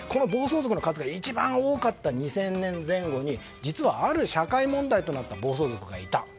暴走族の数が一番多かった２０００年前後に実は、ある社会問題となった暴走族がいた。